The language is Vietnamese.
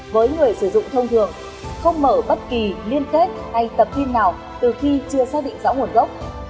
với người sử dụng thông thường không mở bất kỳ liên kết hay tập tin nào từ khi chưa xác định rõ nguồn gốc